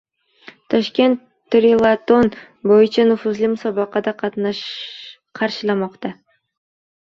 Toshkent triatlon bo‘yicha nufuzli musobaqani qarshilamoqda